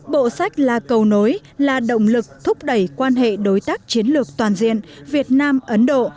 bộ sách là cầu nối là động lực thúc đẩy quan hệ đối tác chiến lược toàn diện việt nam ấn độ